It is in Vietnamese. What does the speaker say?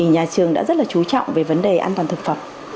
nhà trường đã rất là chú trọng về vấn đề an toàn thực phẩm